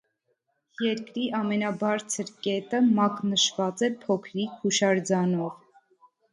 Երկրի ամենաբարձր կետը մակնշված է փոքրիկ հուշարձանով։